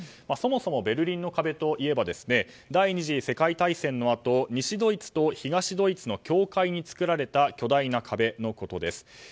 そもそもベルリンの壁といえば第２次世界大戦のあと西ドイツと東ドイツの境界に作られた巨大な壁のことです。